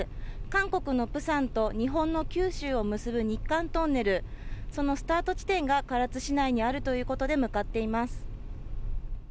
韓国のプサンと日本の九州を結ぶ日韓トンネル、そのスタート地点が唐津市内にあるということで、向かっています。